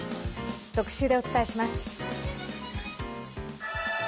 特集でお伝えします。